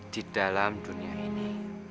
di dalam dunia ini